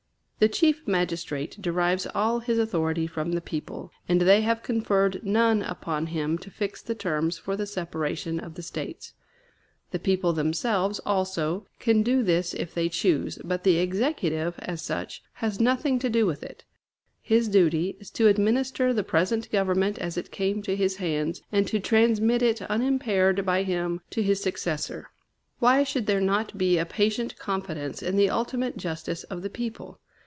The Chief Magistrate derives all his authority from the people, and they have conferred none upon him to fix the terms for the separation of the States. The people themselves, also, can do this if they choose, but the Executive, as such, has nothing to do with it. His duty is to administer the present government as it came to his hands, and to transmit it unimpaired by him to his successor. Why should there not be a patient confidence in the ultimate justice of the people?